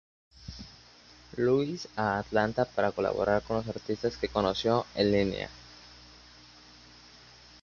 Louis a Atlanta para colaborar con los artistas que conoció en línea.